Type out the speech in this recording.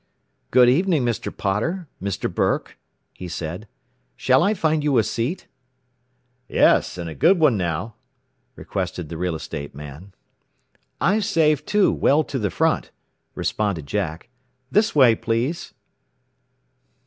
"Good evening, Mr. Potter, Mr. Burke," he said. "Shall I find you a seat?" "Yes, and a good one, now," requested the real estate man. "I saved two, well to the front," responded Jack. "This way, please."